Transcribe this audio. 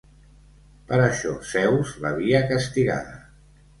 Per això Zeus l'havia castigada.